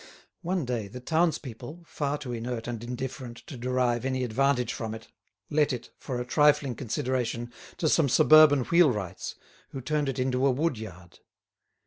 One day the townspeople, far too inert and indifferent to derive any advantage from it, let it, for a trifling consideration, to some suburban wheelwrights, who turned it into a wood yard.